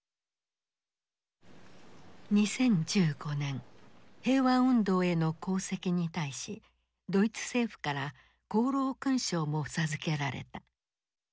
２０１５年平和運動への功績に対しドイツ政府から功労勲章も授けられた。